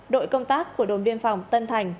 đội công tác của đồn biên phòng tân thành